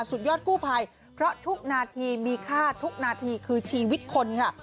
สุดยอดกู้ภัยเพราะทุกนาทีมีค่าทุกนาทีคือชีวิตคนค่ะ